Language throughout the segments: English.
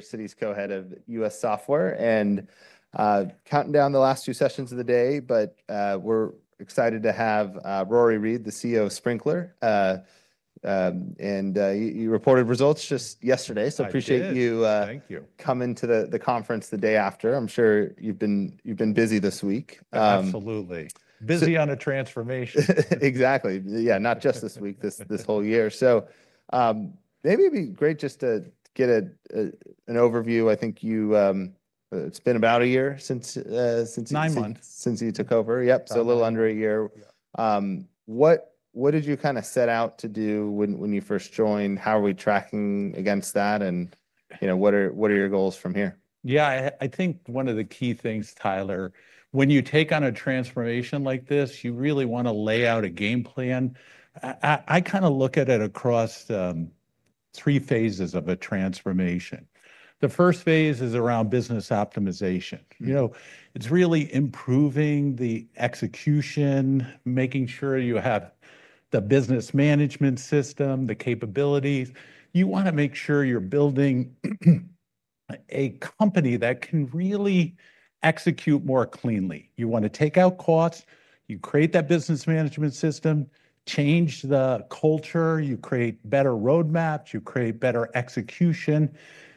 Here's Citi's Co-Head of U.S. Software and counting down the last two sessions of the day. We're excited to have Rory Read, the CEO of Sprinklr. You reported results just yesterday. Appreciate you, thank you for coming to the conference the day after. I'm sure you've been busy this week. Absolutely, busy on a transformation. Exactly. Yeah. Not just this week, this whole year. Maybe it'd be great just to get an overview. I think you, it's been about a year since you took over. Y ep, a little under a year. What did you kind of set out to do when you first joined? How are we tracking against that? What are your goals from here? Yeah, I think one of the key things, Tyler, when you take on a transformation like this, you really want to lay out a game plan. I kind of look at it across three phases of a transformation. The first phase is around business optimization. You know, it's really improving the execution, making sure you have the business management system, the capabilities. You want to make sure you're building a company that can really execute more cleanly. You want to take out costs, you create that business management system, change the culture, you create better roadmaps, you create better execution.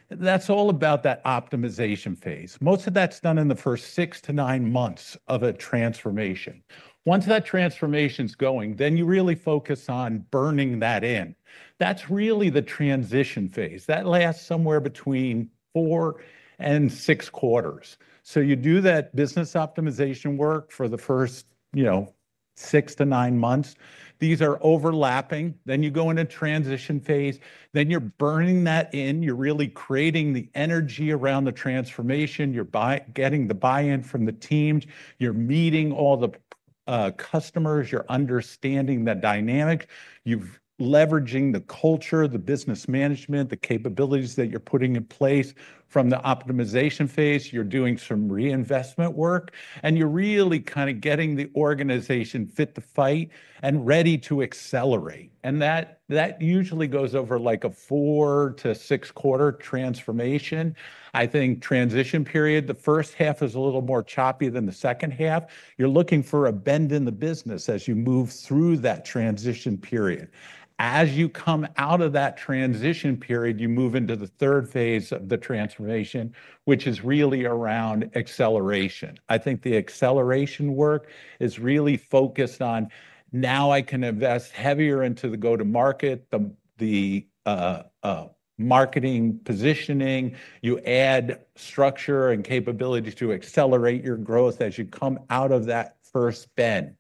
That's all about that optimization phase. Most of that's done in the first six to nine months of a transformation. Once that transformation is going, then you really focus on burning that in. That's really the transition phase. That lasts somewhere between four and six quarters. You do that business optimization work for the first six to nine months. These are overlapping. You go into transition phase, then you're burning that in. You're really creating the energy around the transformation. You're getting the buy-in from the teams. You're meeting all the customers. You're understanding the dynamic. You're leveraging the culture, the business management, the capabilities that you're putting in place. From the optimization phase, you're doing some reinvestment work, and you're really kind of getting the organization fit to fight and ready to accelerate. That usually goes over like a four to six quarter transformation. I think transition period, the first half is a little more choppy than the second half. You're looking for a bend in the business as you move through that transition period. As you come out of that transition period, you move into the third phase of the transformation, which is really around acceleration. I think the acceleration work is really focused on now I can invest heavier into the go-to-market, the marketing positioning. You add structure and capabilities to accelerate your growth as you come out of that first bend.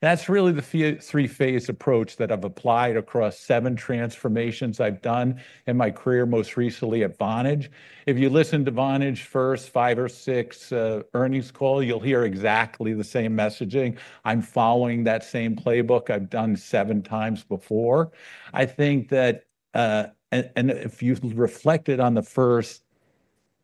That's really the three-phase approach that I've applied across seven transformations I've done in my career, most recently at Vonage. If you listen to Vonage's first five or six earnings call, you'll hear exactly the same messaging. I'm following that same playbook I've done seven times before. I think that, if you reflected on the first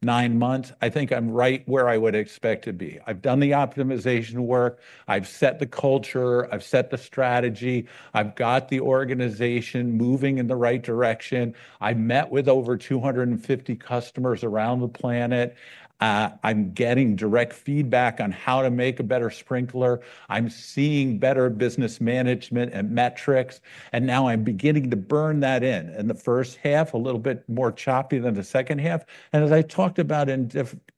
nine months, I think I'm right where I would expect to be. I've done the optimization work. I've set the culture. I've set the strategy. I've got the organization moving in the right direction. I met with over 250 customers around the planet. I'm getting direct feedback on how to make a better Sprinklr. I'm seeing better business management and metrics, and now I'm beginning to burn that in. The first half, a little bit more choppy than the second half. As I talked about in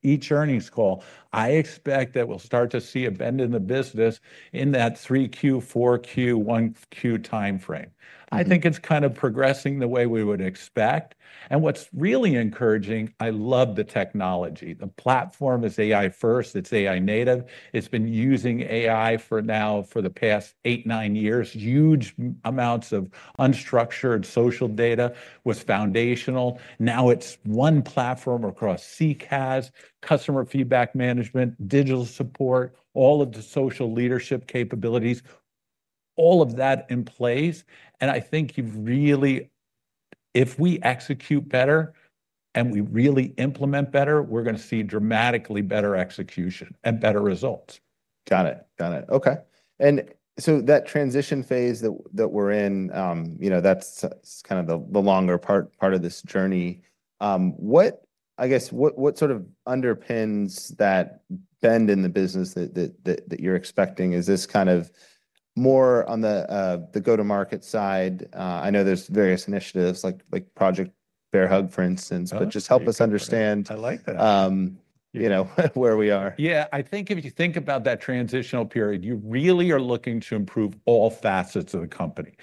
each earnings call, I expect that we'll start to see a bend in the business in that 3Q, 4Q, 1Q timeframe. I think it's kind of progressing the way we would expect. What's really encouraging, I love the technology. The platform is AI-first. It's AI-native. It's been using AI for now for the past eight, nine years. Huge amounts of unstructured social data was foundational. Now it's one platform across CCaaS, customer feedback management, digital support, all of the social leadership capabilities, all of that in place. I think you've really, if we execute better and we really implement better, we're going to see dramatically better execution and better results. Got it. Okay. That transition phase that we're in, you know, that's kind of the longer part of this journey. What, I guess, what sort of underpins that bend in the business that you're expecting? Is this kind of more on the go-to-market side? I know there's various initiatives like Project Bearhug, for instance, but just help us understand, you know, where we are. Yeah, I think if you think about that transitional period, you really are looking to improve all facets of the company.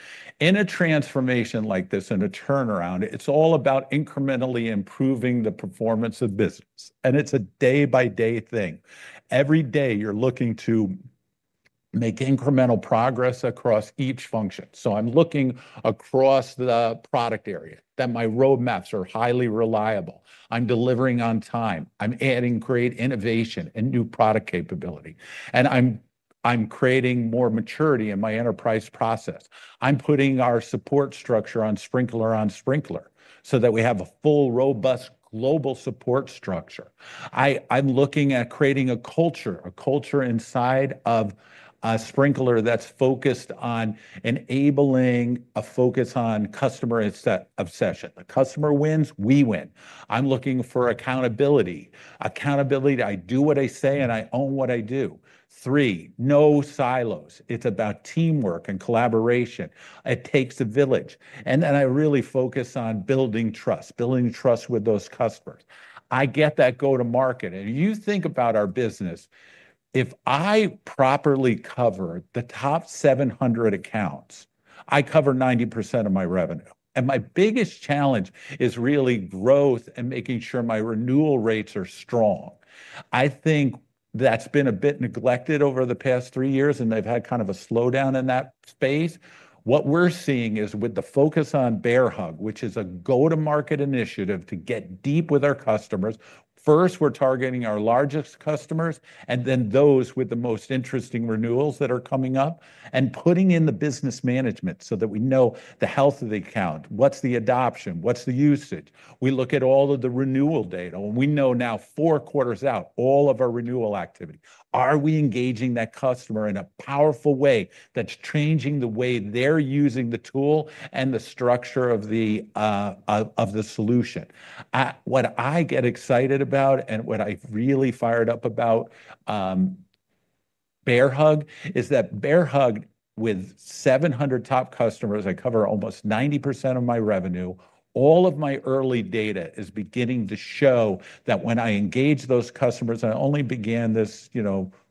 In a transformation like this, in a turnaround, it's all about incrementally improving the performance of business. It's a day-by-day thing. Every day you're looking to make incremental progress across each function. I'm looking across the product area that my roadmaps are highly reliable. I'm delivering on time. I'm adding great innovation and new product capability. I'm creating more maturity in my enterprise process. I'm putting our support structure on Sprinklr so that we have a full, robust global support structure. I'm looking at creating a culture inside of Sprinklr that's focused on enabling a focus on customer obsession. The customer wins, we win. I'm looking for accountability. Accountability, I do what I say and I own what I do. No silos. It's about teamwork and collaboration. It takes a village. I really focus on building trust, building trust with those customers. I get that go-to-market. You think about our business. If I properly cover the top 700 accounts, I cover 90% of my revenue. My biggest challenge is really growth and making sure my renewal rates are strong. I think that's been a bit neglected over the past three years, and they've had kind of a slowdown in that space. What we're seeing is with the focus on Project Bearhug, which is a go-to-market initiative to get deep with our customers. First, we're targeting our largest customers, and then those with the most interesting renewals that are coming up and putting in the business management so that we know the health of the account, what's the adoption, what's the usage. We look at all of the renewal data, and we know now four quarters out, all of our renewal activity. Are we engaging that customer in a powerful way that's changing the way they're using the tool and the structure of the solution? What I get excited about and what I'm really fired up about Bearhug is that with 700 top customers, I cover almost 90% of my revenue. All of my early data is beginning to show that when I engage those customers, I only began this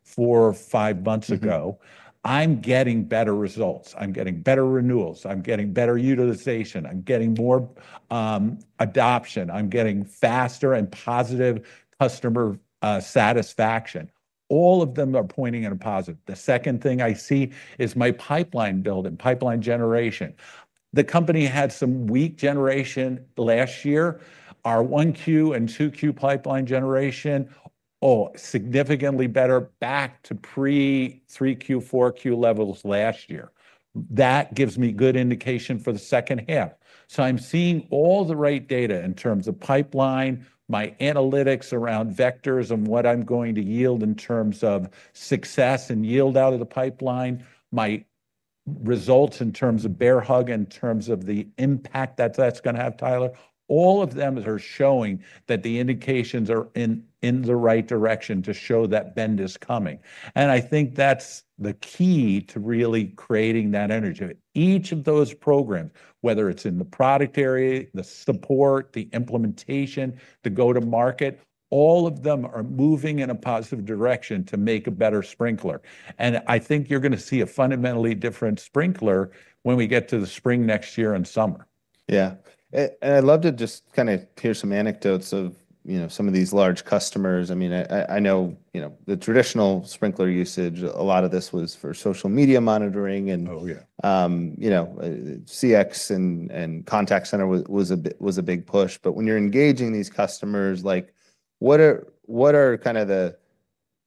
four or five months ago, I'm getting better results. I'm getting better renewals. I'm getting better utilization. I'm getting more adoption. I'm getting faster and positive customer satisfaction. All of them are pointing at a positive. The second thing I see is my pipeline building, pipeline generation. The company had some weak generation last year. Our 1Q and 2Q pipeline generation, oh, significantly better, back to pre-3Q, 4Q levels last year. That gives me good indication for the second half. I'm seeing all the right data in terms of pipeline, my analytics around vectors and what I'm going to yield in terms of success and yield out of the pipeline, my results in terms of Bearhug, in terms of the impact that that's going to have, Tyler. All of them are showing that the indications are in the right direction to show that bend is coming. I think that's the key to really creating that energy. Each of those programs, whether it's in the product area, the support, the implementation, the go-to-market, all of them are moving in a positive direction to make a better Sprinklr. I think you're going to see a fundamentally different Sprinklr when we get to the spring next year and summer. Yeah. I'd love to just kind of hear some anecdotes of, you know, some of these large customers. I know the traditional Sprinklr usage, a lot of this was for social media monitoring and, you know, CX and contact center was a big push. When you're engaging these customers, what are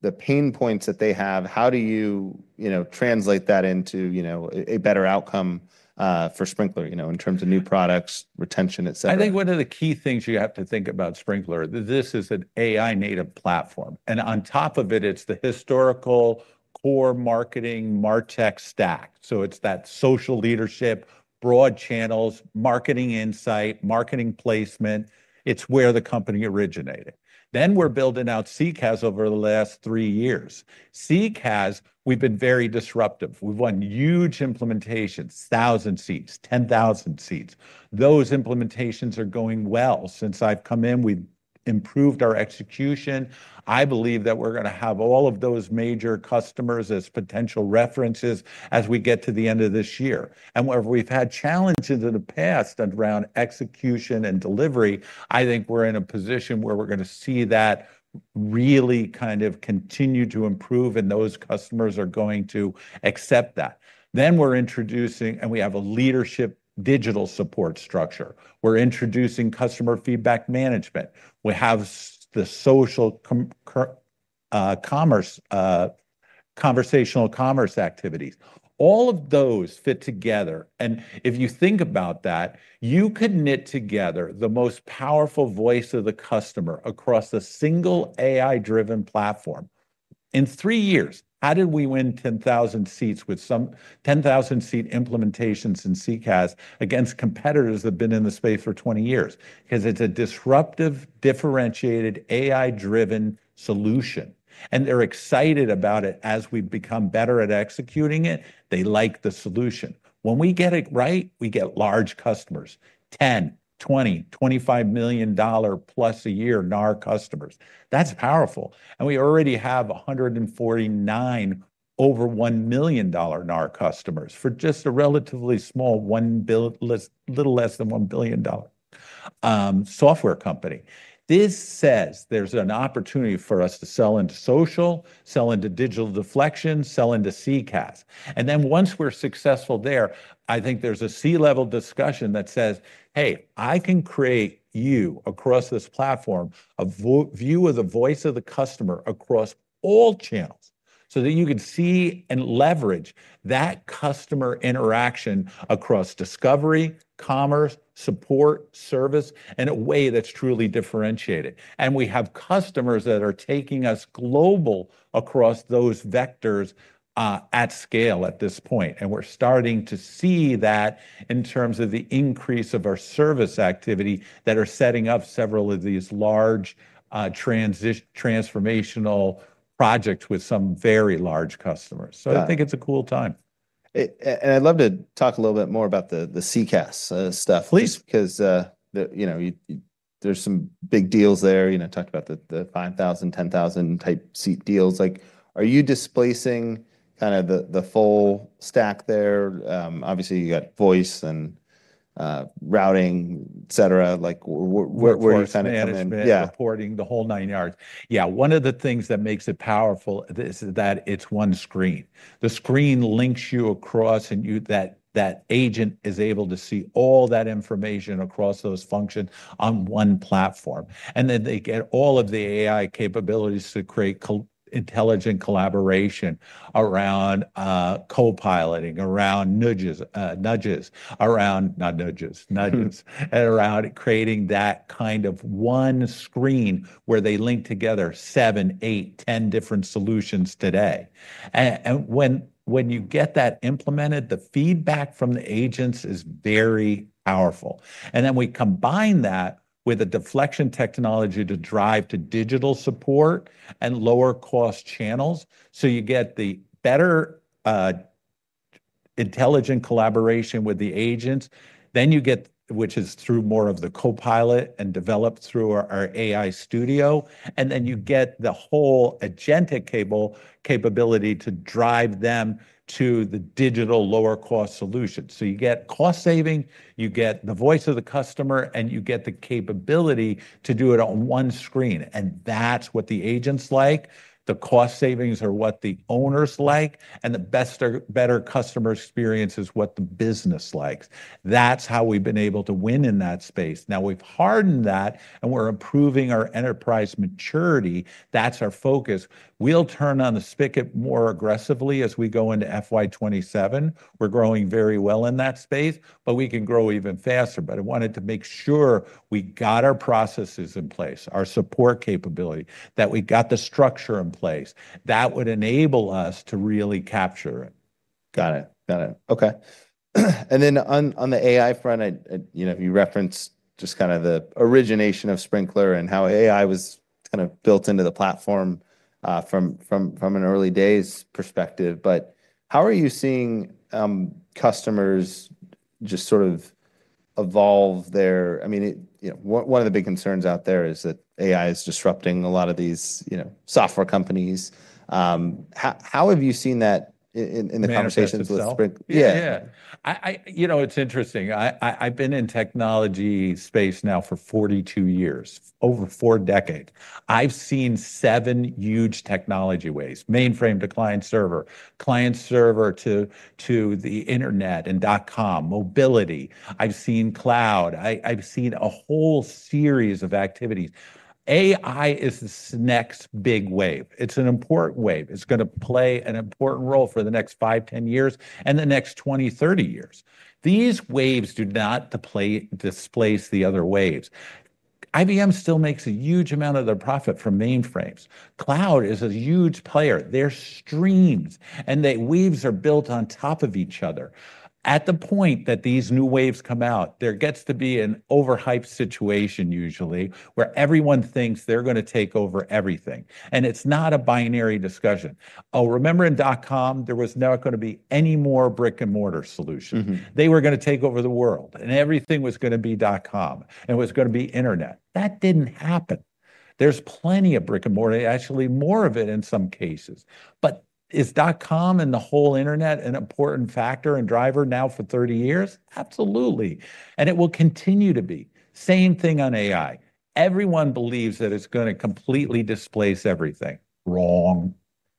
the pain points that they have? How do you translate that into a better outcome for Sprinklr, in terms of new products, retention, et cetera? I think one of the key things you have to think about with Sprinklr, this is an AI-native platform. On top of it, it's the historical core marketing MarTech stack. It's that social leadership, broad channels, marketing insight, marketing placement. It's where the company originated. We are building out CCaaS over the last three years. CCaaS, we've been very disruptive. We've won huge implementations, 1,000 seats, 10,000 seats. Those implementations are going well. Since I've come in, we've improved our execution. I believe that we're going to have all of those major customers as potential references as we get to the end of this year. Where we've had challenges in the past around execution and delivery, I think we're in a position where we're going to see that really kind of continue to improve, and those customers are going to accept that. We're introducing, and we have a leadership digital support structure. We're introducing customer feedback management. We have the social commerce, conversational commerce activities. All of those fit together. If you think about that, you can knit together the most powerful voice of the customer across a single AI-driven platform. In three years, how did we win 10,000 seats with some 10,000 seat implementations in CCaaS against competitors that have been in the space for 20 years? Because it's a disruptive, differentiated, AI-driven solution. They're excited about it as we become better at executing it. They like the solution. When we get it right, we get large customers, $10 million, $20 million, $25+ million a year NAR customers. That's powerful. We already have 149 over $1 million NAR customers for just a relatively small, one bill, little less than $1 billion software company. This says there's an opportunity for us to sell into social, sell into digital deflection, sell into CCaaS. Once we're successful there, I think there's a C-level discussion that says, "Hey, I can create you across this platform, a view of the voice of the customer across all channels, so that you can see and leverage that customer interaction across discovery, commerce, support, service, in a way that's truly differentiated." We have customers that are taking us global across those vectors, at scale at this point. We're starting to see that in terms of the increase of our service activity that are setting up several of these large, transformational projects with some very large customers. I think it's a cool time. I'd love to talk a little bit more about the CCaaS stuff, at least because there's some big deals there. You know, talk about the 5,000, 10,000- type seat deals. Like, are you displacing kind of the full stack there? Obviously, you got voice and routing, et cetera. Like, where kind of come in? Supporting the whole nine yards. One of the things that makes it powerful is that it's one screen. The screen links you across and that agent is able to see all that information across those functions on one platform. They get all of the AI capabilities to create intelligent collaboration around co-piloting, around nudges, around not nudges, and around creating that kind of one screen where they link together seven, eight, 10 different solutions today. When you get that implemented, the feedback from the agents is very powerful. We combine that with a deflection technology to drive to digital support and lower cost channels. You get the better, intelligent collaboration with the agents, which is through more of the co-pilot and developed through our AI studio. You get the whole agenticable capability to drive them to the digital lower cost solution. You get cost saving, you get the voice of the customer, and you get the capability to do it on one screen. That's what the agents like. The cost savings are what the owners like, and the best or better customer experience is what the business likes. That's how we've been able to win in that space. Now we've hardened that and we're improving our enterprise maturity. That's our focus. We'll turn on the spigot more aggressively as we go into FY2027. We're growing very well in that space, but we can grow even faster. I wanted to make sure we got our processes in place, our support capability, that we got the structure in place that would enable us to really capture it. Got it. Okay. On the AI front, you referenced just kind of the origination of Sprinklr and how AI was kind of built into the platform from an early days perspective. How are you seeing customers just sort of evolve their, I mean, you know, one of the big concerns out there is that AI is disrupting a lot of these software companies. How have you seen that in the conversations with Sprinklr? Yeah, you know, it's interesting. I've been in the technology space now for 42 years, over four decades. I've seen seven huge technology waves: mainframe to client server, client server to the internet and dot- com, mobility. I've seen cloud. I've seen a whole series of activities. AI is the next big wave. It's an important wave. It's going to play an important role for the next five, 10 years, and the next 20, 30 years. These waves do not displace the other waves. IBM still makes a huge amount of their profit from mainframes. Cloud is a huge player. There are streams and the waves are built on top of each other. At the point that these new waves come out, there gets to be an overhyped situation usually where everyone thinks they're going to take over everything. It's not a binary discussion. Oh, remember in dot- com, there was not going to be any more brick-and-mortar solution. They were going to take over the world and everything was going to be dot- com and it was going to be internet. That didn't happen. There's plenty of brick-and-mortar, actually more of it in some cases. Is dot- com and the whole internet an important factor and driver now for 30 years? Absolutely. It will continue to be. Same thing on AI. Everyone believes that it's going to completely displace everything. Wrong,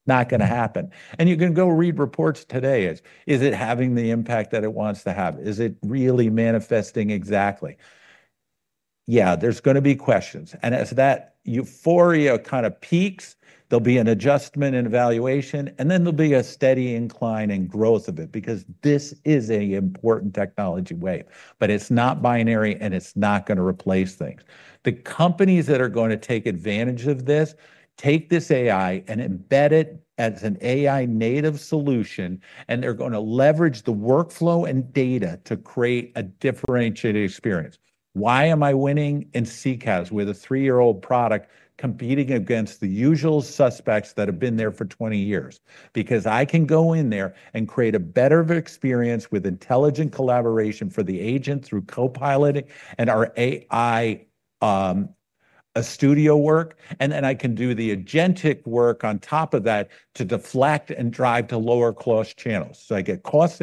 not going to happen. You can go read reports today. Is it having the impact that it wants to have? Is it really manifesting exactly? Yeah, there's going to be questions. As that euphoria kind of peaks, there'll be an adjustment in evaluation, and then there'll be a steady incline and growth of it because this is an important technology wave. It's not binary and it's not going to replace things. The companies that are going to take advantage of this, take this AI and embed it as an AI-native solution, and they're going to leverage the workflow and data to create a differentiated experience. Why am I winning in CCaaS with a three-year-old product competing against the usual suspects that have been there for 20 years? I can go in there and create a better experience with intelligent collaboration for the agent through co-piloting and our AI studio work. I can do the agentic work on top of that to deflect and drive to lower cost channels. I get cost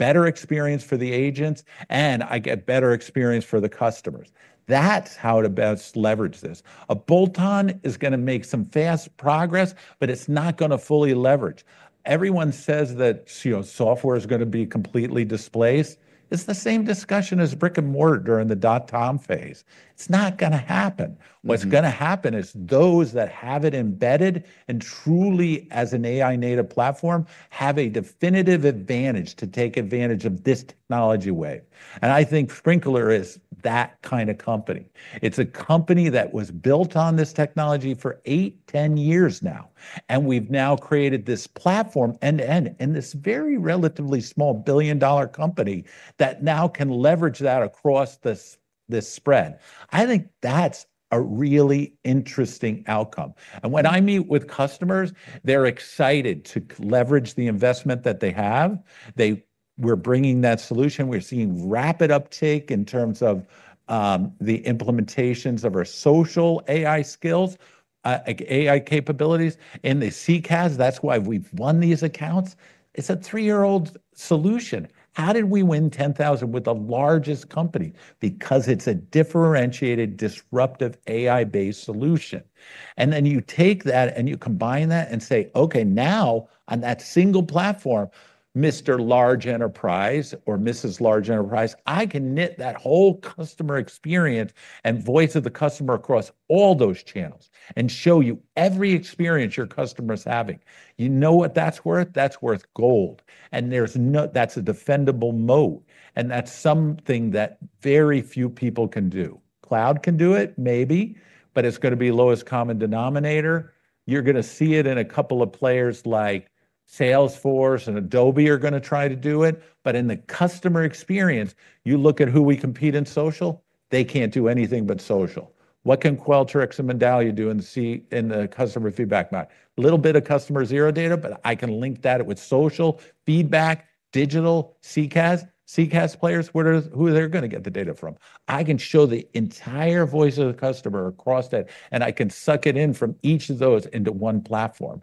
saving, better experience for the agents, and I get better experience for the customers. That's how to best leverage this. A bolt-on is going to make some fast progress, but it's not going to fully leverage. Everyone says that software is going to be completely displaced. It's the same discussion as brick-and-mortar during the dot- com phase. It's not going to happen. What's going to happen is those that have it embedded and truly, as an AI-native platform, have a definitive advantage to take advantage of this technology wave. I think Sprinklr is that kind of company. It's a company that was built on this technology for eight, 10 years now. We've now created this platform and this very relatively small billion-dollar company that now can leverage that across this spread. I think that's a really interesting outcome. When I meet with customers, they're excited to leverage the investment that they have. We're bringing that solution. We're seeing rapid uptake in terms of the implementations of our social AI skills, AI capabilities in the CCaaS. That's why we've won these accounts. It's a three-year-old solution. How did we win 10,000 with the largest company? Because it's a differentiated, disruptive AI-based solution. You take that and you combine that and say, okay, now on that single platform, Mr. Large Enterprise or Mrs. Large Enterprise, I can knit that whole customer experience and voice of the customer across all those channels and show you every experience your customer's having. You know what that's worth? That's worth gold. That's a defendable moat. That's something that very few people can do. Cloud can do it, maybe, but it's going to be lowest common denominator. You're going to see it in a couple of players like Salesforce and Adobe are going to try to do it. In the customer experience, you look at who we compete in social, they can't do anything but social. What can Qualtrics and Medallia do in the customer feedback? A little bit of customer zero data, but I can link that with social feedback, digital CCaaS, CCaaS players, who they're going to get the data from. I can show the entire voice of the customer across that, and I can suck it in from each of those into one platform.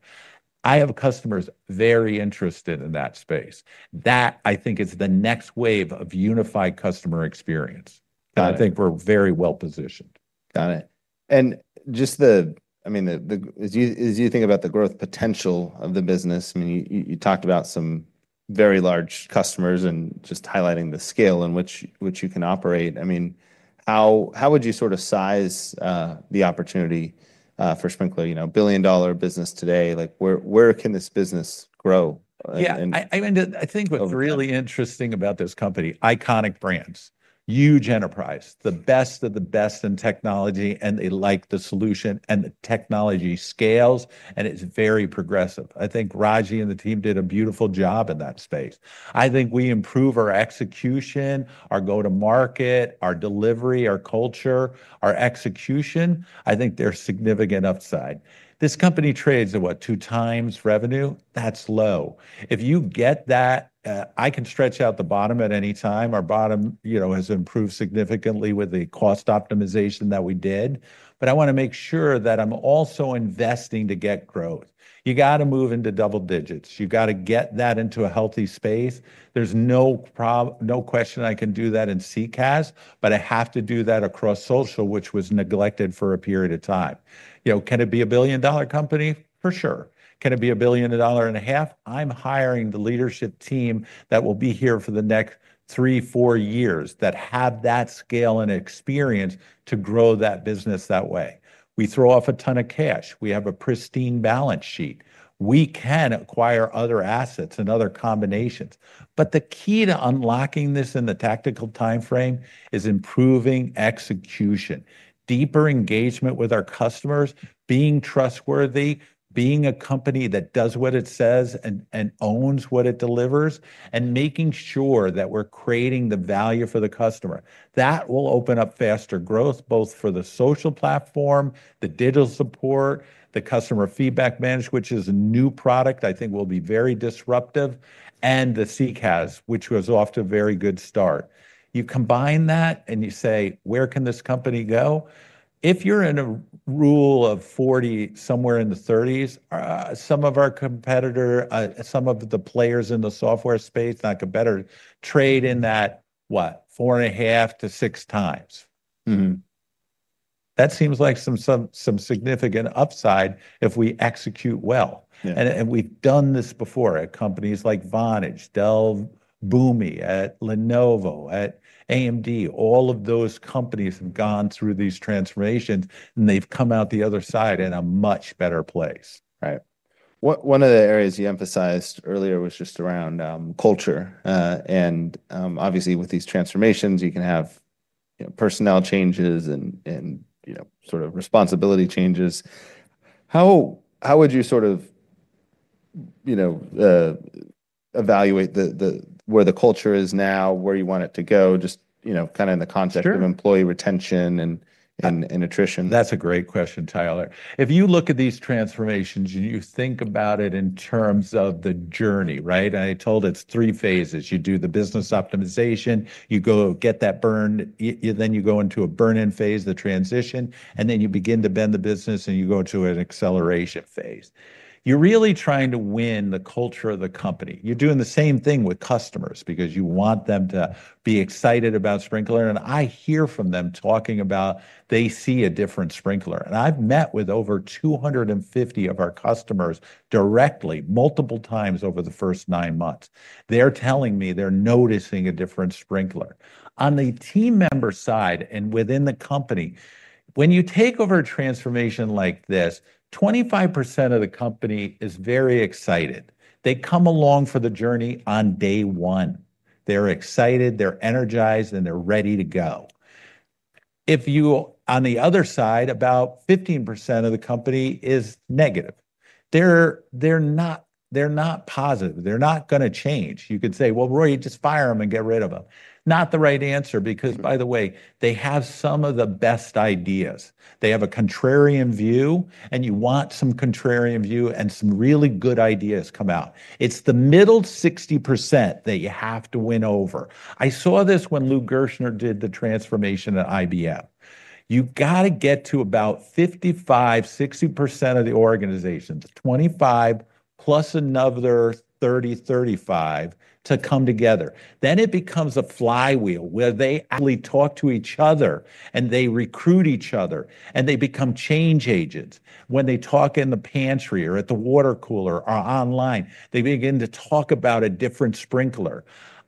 I have customers very interested in that space. That I think is the next wave of unified customer experience. I think we're very well positioned. Got it. As you think about the growth potential of the business, you talked about some very large customers and just highlighting the scale in which you can operate. How would you sort of size the opportunity for Sprinklr? You know, a billion-dollar business today, like where can this business grow? Yeah, I think what's really interesting about this company, iconic brands, huge enterprise, the best of the best in technology, and they like the solution and the technology scales, and it's very progressive. I think Ragy and the team did a beautiful job in that space. I think we improve our execution, our go-to-market, our delivery, our culture, our execution. I think there's significant upside. This company trades at what, 2 x revenue? That's low. If you get that, I can stretch out the bottom at any time. Our bottom, you know, has improved significantly with the cost optimization that we did. I want to make sure that I'm also investing to get growth. You got to move into double digits. You got to get that into a healthy space. There's no problem, no question I can do that in CCaaS, but I have to do that across social, which was neglected for a period of time. You know, can it be a billion-dollar company? For sure. Can it be a billion dollar and a half? I'm hiring the leadership team that will be here for the next three, four years that have that scale and experience to grow that business that way. We throw off a ton of cash. We have a pristine balance sheet. We can acquire other assets and other combinations. The key to unlocking this in the tactical timeframe is improving execution, deeper engagement with our customers, being trustworthy, being a company that does what it says and owns what it delivers, and making sure that we're creating the value for the customer. That will open up faster growth, both for the social platform, the digital support, the customer feedback management, which is a new product I think will be very disruptive, and the CCaaS, which was off to a very good start. You combine that and you say, where can this company go? If you're in a Rule of 40, somewhere in the [30s], some of our competitors, some of the players in the software space, I could better trade in that, what, 4.5x - 6 x. That seems like some significant upside if we execute well. We've done this before at companies like Vonage, Dell, Boomi, at Lenovo, at AMD. All of those companies have gone through these transformations and they've come out the other side in a much better place. Right. One of the areas you emphasized earlier was just around culture. Obviously with these transformations, you can have personnel changes and sort of responsibility changes. How would you evaluate where the culture is now, where you want it to go, just in the context of employee retention and attrition? That's a great question, Tyler. If you look at these transformations and you think about it in terms of the journey, right? I told you it's three phases. You do the business optimization, you go get that burn, then you go into a burn-in phase, the transition, and then you begin to bend the business and you go to an acceleration phase. You're really trying to win the culture of the company. You're doing the same thing with customers because you want them to be excited about Sprinklr. I hear from them talking about they see a different Sprinklr. I've met with over 250 of our customers directly multiple times over the first nine months. They're telling me they're noticing a different Sprinklr. On the team member side and within the company, when you take over a transformation like this, 25% of the company is very excited. They come along for the journey on day one. They're excited, they're energized, and they're ready to go. If you, on the other side, about 15% of the company is negative. They're not positive. They're not going to change. You could say, well, Rory, just fire them and get rid of them. Not the right answer because, by the way, they have some of the best ideas. They have a contrarian view, and you want some contrarian view and some really good ideas come out. It's the middle 60% that you have to win over. I saw this when Lou Gerstner did the transformation at IBM. You've got to get to about 55%, 60% of the organization, 25% plus another 30%, 35% to come together. Then it becomes a flywheel where they actually talk to each other and they recruit each other and they become change agents. When they talk in the pantry or at the water cooler or online, they begin to talk about a different Sprinklr.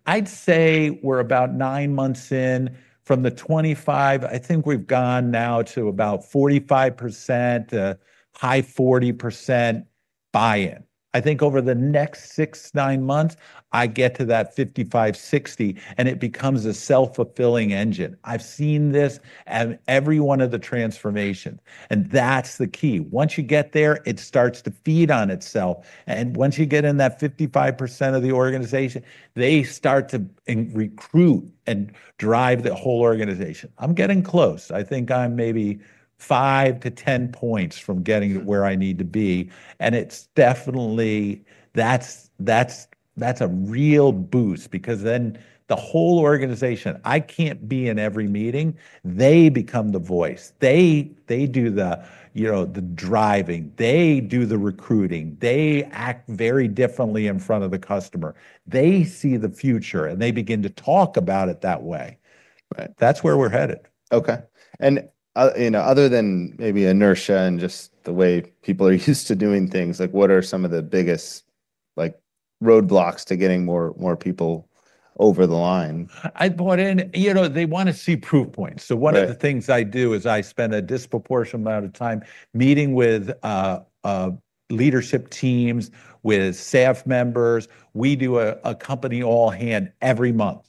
I'd say we're about nine months in from the 25%. I think we've gone now to about 45%, the high 40% buy-in. I think over the next six, nine months, I get to that 55%, 60%, and it becomes a self-fulfilling engine. I've seen this at every one of the transformations, and that's the key. Once you get there, it starts to feed on itself. Once you get in that 55% of the organization, they start to recruit and drive the whole organization. I'm getting close. I think I'm maybe five to ten points from getting to where I need to be. It's definitely, that's a real boost because then the whole organization, I can't be in every meeting. They become the voice. They do the, you know, the driving. They do the recruiting. They act very differently in front of the customer. They see the future and they begin to talk about it that way. That's where we're headed. Okay. Other than maybe inertia and just the way people are used to doing things, what are some of the biggest roadblocks to getting more people over the line? I want to, you know, they want to see proof points. One of the things I do is I spend a disproportionate amount of time meeting with leadership teams, with staff members. We do a company all-hand every month.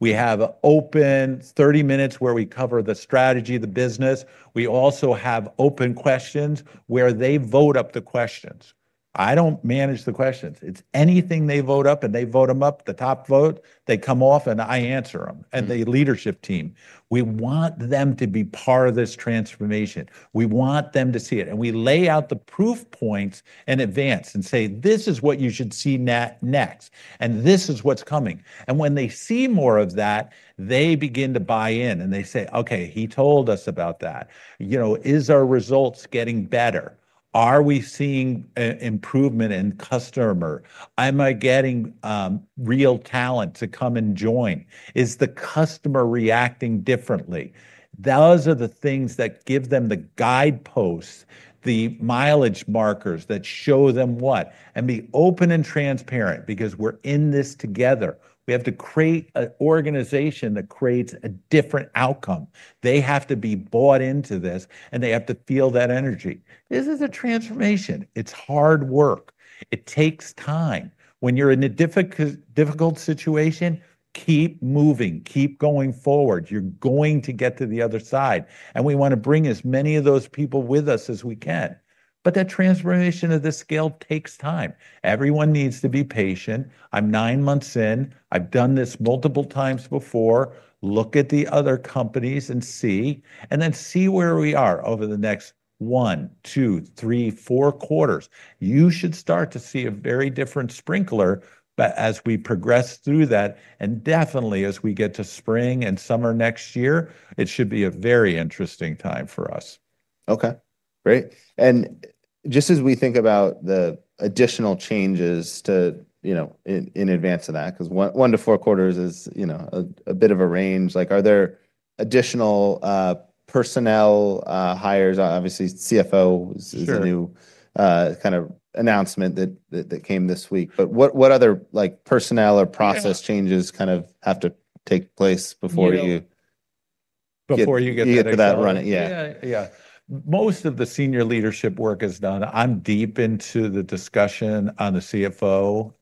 We have open 30 minutes where we cover the strategy, the business. We also have open questions where they vote up the questions. I don't manage the questions. It's anything they vote up and they vote them up, the top vote, they come off and I answer them and the leadership team. We want them to be part of this transformation. We want them to see it. We lay out the proof points in advance and say, this is what you should see next. This is what's coming. When they see more of that, they begin to buy in and they say, okay, he told us about that. You know, is our results getting better? Are we seeing an improvement in customer? Am I getting real talent to come and join? Is the customer reacting differently? Those are the things that give them the guideposts, the mileage markers that show them what and be open and transparent because we're in this together. We have to create an organization that creates a different outcome. They have to be bought into this and they have to feel that energy. This is a transformation. It's hard work. It takes time. When you're in a difficult situation, keep moving, keep going forward. You're going to get to the other side. We want to bring as many of those people with us as we can. That transformation of the scale takes time. Everyone needs to be patient. I'm nine months in. I've done this multiple times before. Look at the other companies and see, and then see where we are over the next one, two, three, four quarters. You should start to see a very different Sprinklr, but as we progress through that, and definitely as we get to spring and summer next year, it should be a very interesting time for us. Okay, great. As we think about the additional changes to, you know, in advance of that, because one to four quarters is, you know, a bit of a range, are there additional personnel hires? Obviously, CFO is a new kind of announcement that came this week. What other personnel or process changes kind of have to take place before you get to that run? Yeah, yeah. Most of the senior leadership work is done. I'm deep into the discussion on the CFO,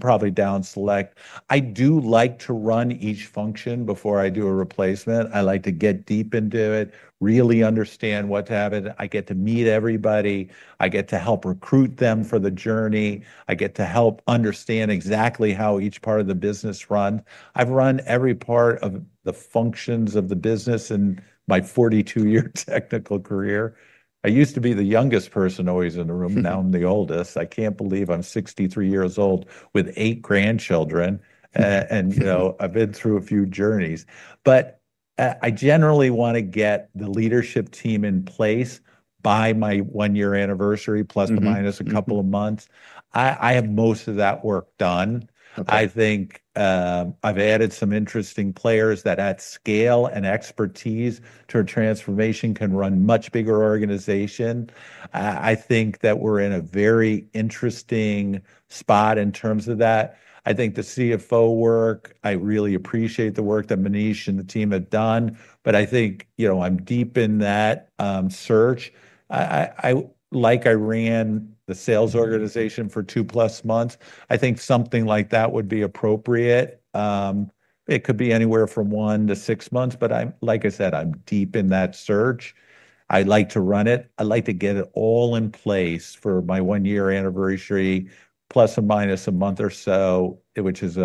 probably down select. I do like to run each function before I do a replacement. I like to get deep into it, really understand what's happening. I get to meet everybody. I get to help recruit them for the journey. I get to help understand exactly how each part of the business runs. I've run every part of the functions of the business in my 42-year technical career. I used to be the youngest person always in the room. Now I'm the oldest. I can't believe I'm 63 years old with eight grandchildren. You know, I've been through a few journeys. I generally want to get the leadership team in place by my one-year anniversary, plus or minus a couple of months. I have most of that work done. I think I've added some interesting players that add scale and expertise to a transformation that can run a much bigger organization. I think that we're in a very interesting spot in terms of that. I think the CFO work, I really appreciate the work that Manish and the team have done. I think, you know, I'm deep in that search. I like I ran the sales organization for 2+ months. I think something like that would be appropriate. It could be anywhere from one to six months. Like I said, I'm deep in that search. I like to run it. I like to get it all in place for my one-year anniversary, plus or minus a month or so, which is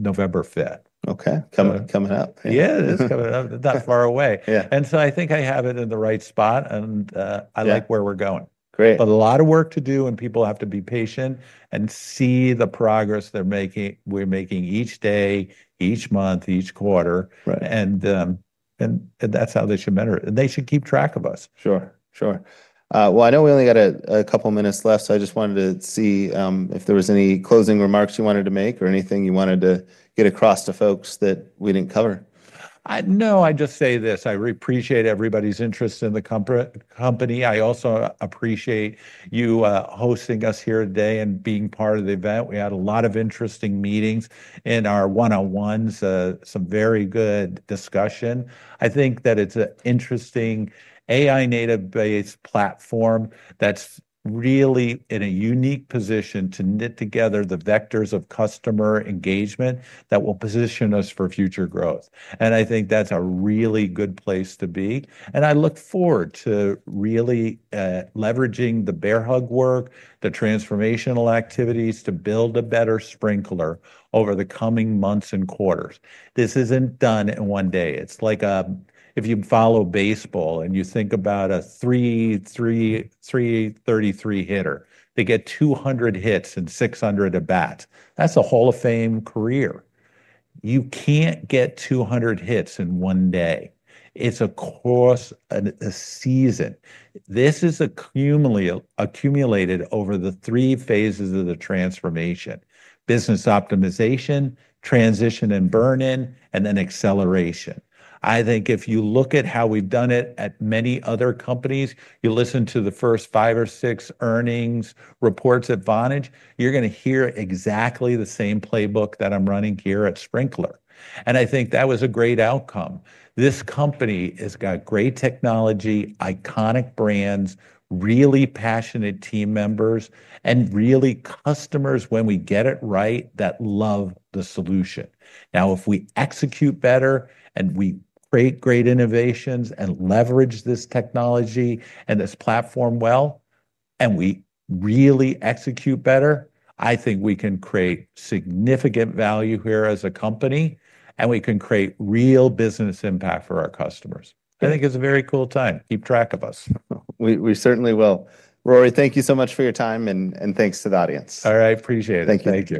November 5th. Okay, coming up. Yeah, it's coming up. Not far away. I think I have it in the right spot, and I like where we're going. Great. A lot of work to do, and people have to be patient and see the progress they're making. We're making each day, each month, each quarter. That's how they should measure it, and they should keep track of us. Sure. I know we only got a couple of minutes left, so I just wanted to see if there were any closing remarks you wanted to make or anything you wanted to get across to folks that we didn't cover. No, I just say this. I appreciate everybody's interest in the company. I also appreciate you hosting us here today and being part of the event. We had a lot of interesting meetings in our one-on-ones, some very good discussion. I think that it's an interesting AI-native-based platform that's really in a unique position to knit together the vectors of customer engagement that will position us for future growth. I think that's a really good place to be. I look forward to really leveraging the Bearhug work, the transformational activities to build a better Sprinklr over the coming months and quarters. This isn't done in one day. It's like if you follow baseball and you think about a .333 hitter, they get 200 hits and 600 at- bat. That's a Hall of Fame career. You can't get 200 hits in one day. It's across a season. This is accumulated over the three phases of the transformation: business optimization, transition and burn-in, and then acceleration. I think if you look at how we've done it at many other companies, you listen to the first five or six earnings reports at Vonage, you're going to hear exactly the same playbook that I'm running here at Sprinklr. I think that was a great outcome. This company has got great technology, iconic brands, really passionate team members, and really customers when we get it right that love the solution. Now, if we execute better and we create great innovations and leverage this technology and this platform well, and we really execute better, I think we can create significant value here as a company, and we can create real business impact for our customers. I think it's a very cool time. Keep track of us. We certainly will. Rory, thank you so much for your time, and thanks to the audience. All right, I appreciate it. Thank you.